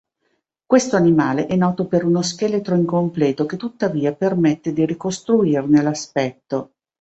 Questo animale è noto per uno scheletro incompleto che tuttavia permette di ricostruirne l'aspetto.